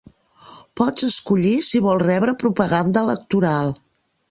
Pots escollir si vols rebre propaganda electoral